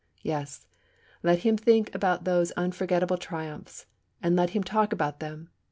Yes, let him think about those unforgettable triumphs, and let him talk about them.